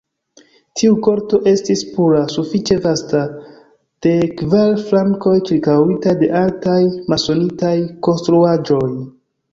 Tiu korto estis pura, sufiĉe vasta, de kvar flankoj ĉirkaŭita de altaj masonitaj konstruaĵoj.